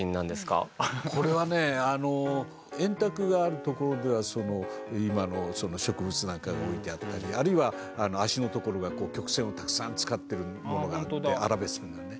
これはね円卓があるところでは今の植物なんかが置いてあったりあるいは脚のところが曲線をたくさん使ってるものがあってアラベスクなね。